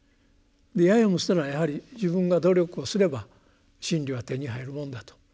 ややもしたらやはり自分が努力をすれば真理は手に入るもんだと。